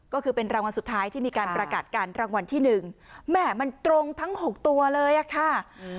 ก็คือเป็นรางวัลสุดท้ายที่มีการประกาศการรางวัลที่หนึ่งแหม่มันตรงทั้ง๖ตัวเลยอะค่ะ